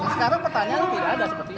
sekarang pertanyaannya tidak ada seperti itu